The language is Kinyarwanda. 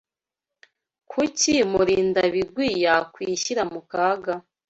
Kuki Murindabigwi yakwishyira mu kaga?